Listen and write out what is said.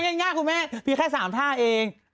ไม่ง่ายคุณแม่พี่แค่สามท่าเอง